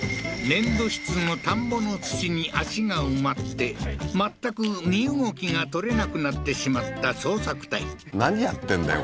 粘土質の田んぼの土に足が埋まって全く身動きが取れなくなってしまった捜索隊何やってんだよ